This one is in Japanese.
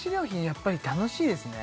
やっぱり楽しいですね